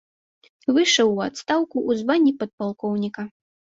Выйшаў у адстаўку ў званні падпалкоўніка.